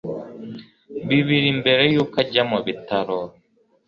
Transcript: bibiri mbere yuko ajya mubitaro